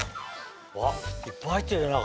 わっいっぱい入ってるじゃん中。